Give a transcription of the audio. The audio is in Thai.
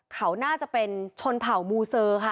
เขาน่าจะเป็นชนเผ่ามูเซอร์ค่ะ